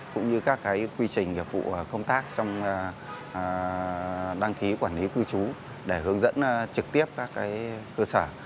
cũng như các quy trình nghiệp vụ công tác trong đăng ký quản lý cư trú để hướng dẫn trực tiếp các cơ sở